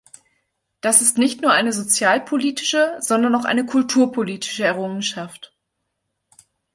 Das ist nicht nur eine sozialpolitische, sondern auch eine kulturpolitische Errungenschaft.